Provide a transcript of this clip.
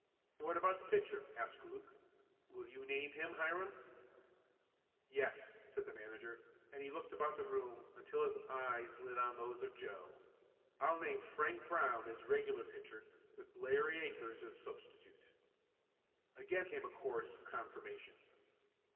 "What about the pitcher?" asked Luke. "Will you name him, Hiram?" "Yes!" said the manager and he looked about the room until his eyes lit on those of Joe. "I'll name Frank Brown as regular pitcher with Larry Akers as substitute." Again came the chorus of confirmation.